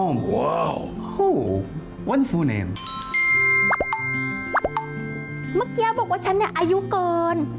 เมื่อกี้แอบบอกว่าชั้นน่ะอายุเกิน